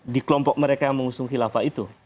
di kelompok mereka yang mengusung khilafah itu